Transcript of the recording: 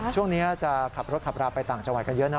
ช่วงนี้จะขับรถขับราไปต่างจังหวัดกันเยอะนะ